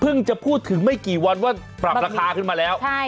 จะพูดถึงไม่กี่วันว่าปรับราคาขึ้นมาแล้ว